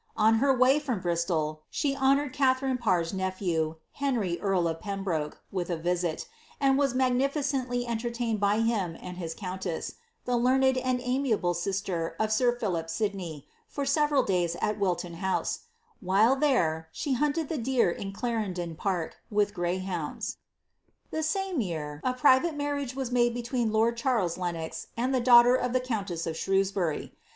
On her way from Bristol, she honourfi Katharine Parr's nephew, Henry earl of Pembroke, with a visit, and wi ■ LIZABSTH. 305 MfoificenUy entertained by him and his countess, the learned and imiable sister of sir Philip Sidney, for several days at Wilton house, ^hile there, she hunted the deer in Clarendon park with greyhounds. The same year, a piivate marriage was made between lord Charles iieooz and the daughter of the countess of Shrewsbury.